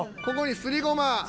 ここにすりゴマ。